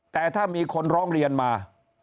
แต่ถ้ามีคนร้องเรียนมา